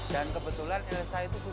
dan kebetulan elsa itu sudah